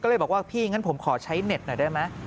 ก็เลยบอกว่าพี่งั้นผมขอใช้เน็ตหน่อยได้ไหม